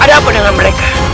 ada apa dengan mereka